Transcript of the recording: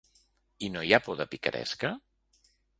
I no hi ha por de picaresca?